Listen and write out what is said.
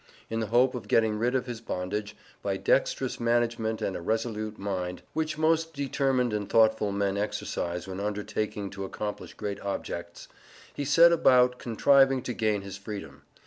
In the hope of getting rid of his bondage, by dexterous management and a resolute mind, which most determined and thoughtful men exercise when undertaking to accomplish great objects, he set about contriving to gain his freedom.